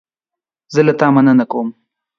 زه له تا مننه کوم.